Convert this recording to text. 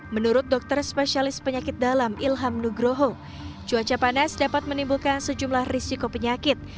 menurut dokter spesialis penyakit dalam ilham nugroho cuaca panas dapat menimbulkan sejumlah risiko penyakit